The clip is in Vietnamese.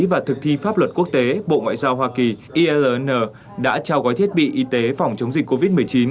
và thực thi pháp luật quốc tế bộ ngoại giao hoa kỳ irn đã trao gói thiết bị y tế phòng chống dịch covid một mươi chín